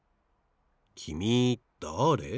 きみだれ？